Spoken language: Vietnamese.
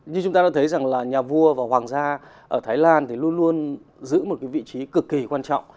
như chúng ta đã thấy rằng là nhà vua và hoàng gia ở thái lan thì luôn luôn giữ một cái vị trí cực kỳ quan trọng